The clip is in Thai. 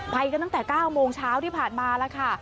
ไปกันตั้งแต่๙โมงเช้าที่ผ่านมาแล้วค่ะ